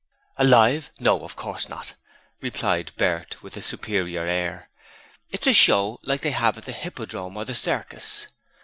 'Alive! No, of course not,' replied Bert with a superior air. 'It's a show, like they have at the Hippodrome or the Circus.'